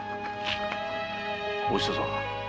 お久さん。